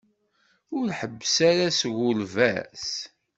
Ur ḥebbes ara seg ulbas.